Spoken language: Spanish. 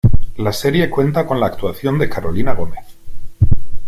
La serie cuenta con la actuación de Carolina Gómez.